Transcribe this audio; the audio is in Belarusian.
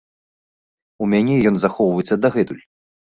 У мяне ён захоўваецца дагэтуль.